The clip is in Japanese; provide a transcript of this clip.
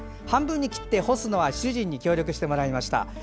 半分に切って干すのは、主人に協力してもらいました。